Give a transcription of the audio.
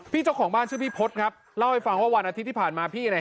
เจ้าของบ้านชื่อพี่พศครับเล่าให้ฟังว่าวันอาทิตย์ที่ผ่านมาพี่เนี่ย